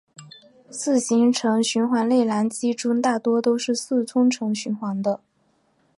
四行程循环内燃机中大多都是四冲程循环的。